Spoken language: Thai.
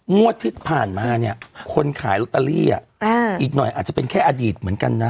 งวดที่ผ่านมาเนี่ยคนขายลอตเตอรี่อีกหน่อยอาจจะเป็นแค่อดีตเหมือนกันนะ